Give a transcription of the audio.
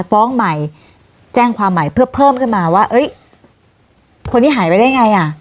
ฟ้องใหม่แจ้งความใหม่เพื่อเพิ่มขึ้นมาว่าเอ้ยคนนี้หายไปได้ไงอ่ะ